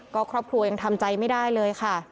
ก็ครอบครัวยังทำใจไม่ได้เลยค่ะ